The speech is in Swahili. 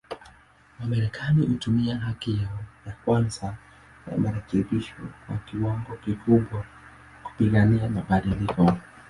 Wamarekani hutumia haki yao ya kwanza ya marekebisho kwa kiwango kikubwa, kupigania mabadiliko.